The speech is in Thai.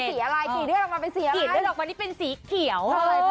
สีเลือดออกมาวันนี้เป็นสีเขียว